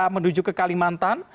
menuju ke kalimantan